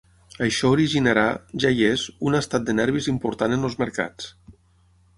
Això originarà –ja hi és– un estat de nervis important en els mercats.